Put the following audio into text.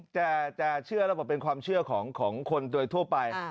จะเชื่อหรือเปล่าเป็นความเชื่อของคนโดยทั่วไป